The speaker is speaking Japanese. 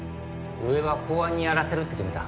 上は公安にやらせるって決めた。